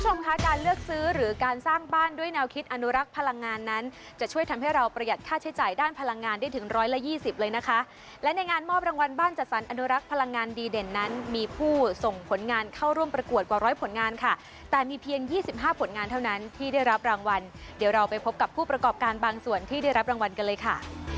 มีผู้ส่งผลงานเข้าร่วมประกวดกว่าร้อยผลงานค่ะแต่มีเพียง๒๕ผลงานเท่านั้นที่ได้รับรางวัลเดี๋ยวเราไปพบกับผู้ประกอบการบางส่วนที่ได้รับรางวัลกันเลยค่ะ